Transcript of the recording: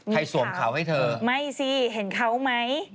สวมเขาให้เธอไม่สิเห็นเขาไหม